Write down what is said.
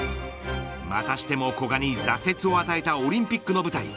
またしても古賀に、挫折を与えたオリンピックの舞台。